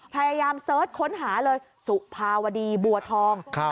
พยายามเสิร์ชค้นหาเลยสุภาวดีบัวทอง